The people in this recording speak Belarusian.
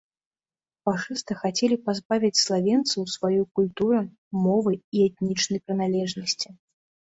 Фашысты хацелі пазбавіць славенцаў сваёй культуры, мовы і этнічнай прыналежнасці.